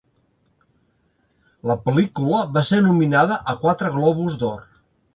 La pel·lícula va ser nominada a quatre Globus d'Or.